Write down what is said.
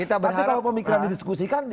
tapi kalau pemikiran didiskusikan